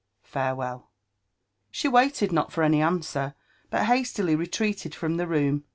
FarewelU" 'She Waited not for any answer, but hastily retreated from the room.